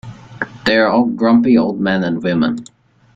They are all grumpy old men and women.